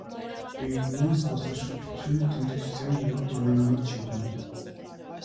Պերուում զբոսաշրջությունը տնտեսության երրորդ ամենամեծ ճյուղն է։